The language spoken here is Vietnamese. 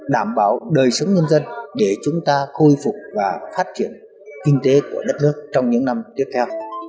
đảm bảo đời sống nhân dân để chúng ta khôi phục và phát triển kinh tế của đất nước trong những năm tiếp theo